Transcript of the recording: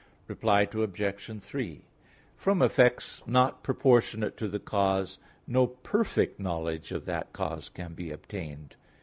Reply Obj. 3: From effects not proportionate to the cause no perfect knowledge of that cause can be obtained.